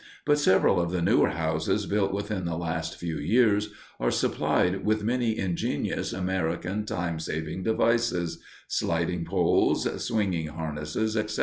But several of the newer houses, built within the last few years, are supplied with many ingenious American time saving devices sliding poles, swinging harness, etc.